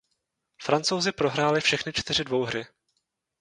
Francouzi prohráli všechny tři dvouhry.